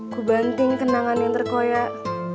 ku banting kenangan yang terkoyak